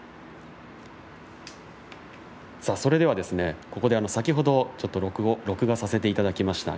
それではここで先ほど録画させていただきました